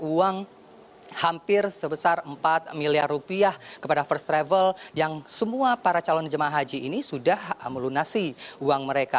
uang hampir sebesar empat miliar rupiah kepada first travel yang semua para calon jemaah haji ini sudah melunasi uang mereka